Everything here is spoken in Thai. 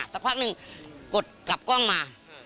สักพักหนึ่งกดกลับกล้องมา